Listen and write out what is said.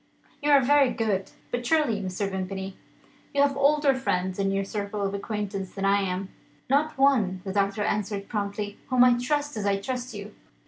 "You are very good. But surely, Mr. Vimpany, you have older friends in your circle of acquaintance than I am." "Not one," the doctor answered promptly, "whom I trust as I trust you.